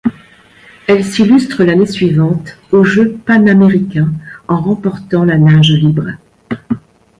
Elle s'illustre l'année suivante aux Jeux panaméricains en remportant le nage libre.